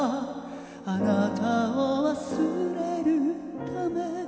「あなたを忘れるため」